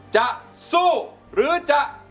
จะสู้หรือจะหยุด